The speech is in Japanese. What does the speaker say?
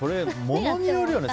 ものによるよね。